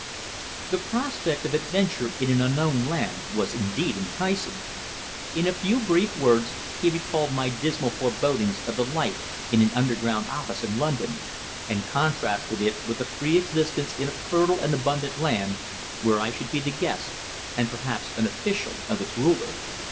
The prospect of adventure in an unknown land was indeed enticing. In a few brief words he recalled my dismal forebodings of the life in an underground office in London, and contrasted it with a free existence in a fertile and abundant land, where I should be the guest and perhaps an official of its ruler.